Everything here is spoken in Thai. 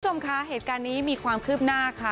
เพื่อดูชมคะเหตุการณ์มีความคืบหน้าค่ะ